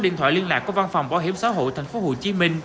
điện thoại liên lạc của văn phòng bảo hiểm xã hội tp hcm